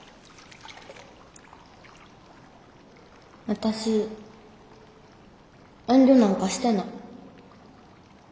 私遠慮なんかしてない。